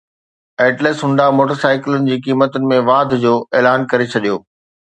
atlas Honda motor سائيڪلن جي قيمتن ۾ واڌ جو اعلان ڪري ڇڏيو